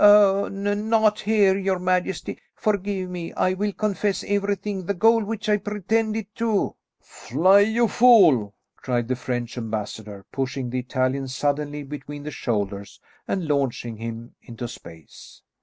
"Oh, not here, your majesty! Forgive me, and I will confess everything. The gold which I pretended to " "Fly, you fool!" cried the French ambassador, pushing the Italian suddenly between the shoulders and launching him into space.